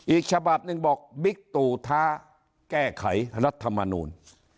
อีกฉบับหนึ่งบอกบิ๊กตู่ท้าแก้ไขรัฐมนูล